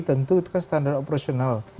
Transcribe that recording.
tentu itu kan standar operasional